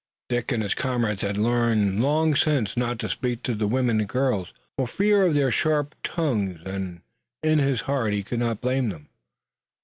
Dick and his comrades had learned long since not to speak to the women and girls for fear of their sharp tongues, and in his heart he could not blame them.